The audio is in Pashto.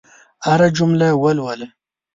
هره جمله ولوله.